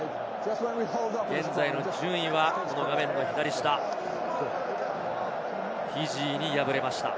現在の順位は画面の左下、フィジーに敗れました。